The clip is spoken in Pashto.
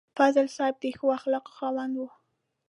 فضل صاحب د ښو اخلاقو خاوند و.